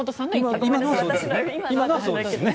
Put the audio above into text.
今のはそうですよね。